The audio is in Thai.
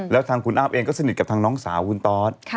แล้วทางคุณอ้ำเองก็สนิทกับทางน้องสาวคุณตอส